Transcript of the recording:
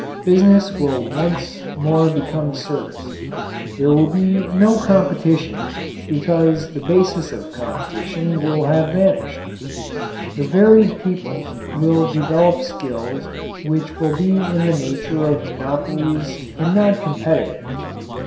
Business will once more become service. There will be no competition, because the basis of competition will have vanished. The varied peoples will develop skills which will be in the nature of monopolies and not competitive.